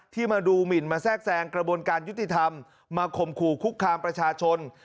ที่มาดูหมินมาแทรกแซงกระบวนการยุติธรรมมาข่มขู่คุกคามประชาชน